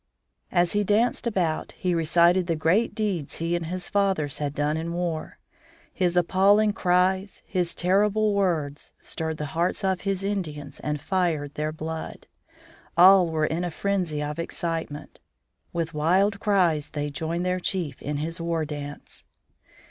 As he danced about, he recited the great deeds he and his fathers had done in war. His appalling cries, his terrible words, stirred the hearts of his Indians and fired their blood. All were in a frenzy of excitement. With wild cries they joined their chief in his war dance.